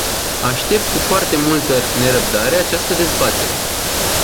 Aștept cu foarte multă nerăbdare această dezbatere.